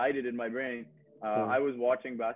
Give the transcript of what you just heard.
jadi saya hanya memutuskan di otak saya